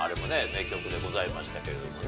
名曲でございましたけれどもね。